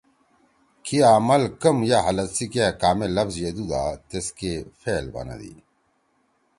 کی عمل کم یا حالت سی کیا کامے لفظ یدُودا تیس کی فعل بنَدی۔